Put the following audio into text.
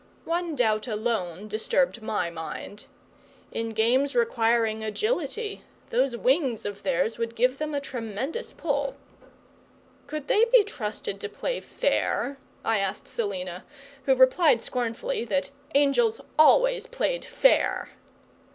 One doubt alone disturbed my mind. In games requiring agility, those wings of theirs would give them a tremendous pull. Could they be trusted to play fair? I asked Selina, who replied scornfully that angels ALWAYS played fair.